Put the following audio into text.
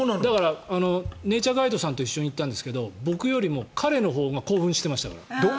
ネイチャーガイドさんと一緒に行ったんだけど僕よりも彼のほうが興奮してましたから。